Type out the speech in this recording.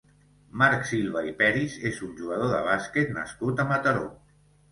Marc Silva i Periz és un jugador de bàsquet nascut a Mataró.